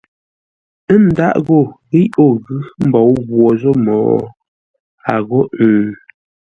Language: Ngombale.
N ndáʼ ghô ghíʼ o ghʉ́ mbǒu ghwǒ zô mô? a ghô ə̂ŋ.